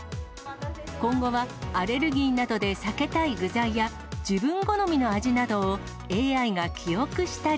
今後はアレルギーなどで避けたい具材や、自分好みの味などをＡＩが記憶したり、